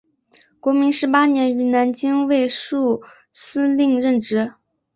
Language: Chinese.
民国十八年于南京卫戍司令任职。